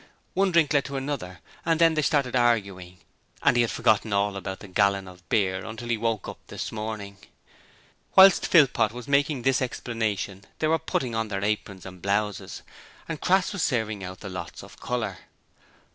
One drink led to another, and then they started arguing, and he had forgotten all about the gallon of beer until he woke up this morning. Whilst Philpot was making this explanation they were putting on their aprons and blouses, and Crass was serving out the lots of colour.